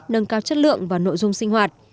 nâng cao chất lượng và nội dung sinh hoạt